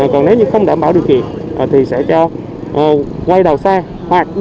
còn nếu như không đảm bảo điều kiện thì sẽ cho quay đầu xe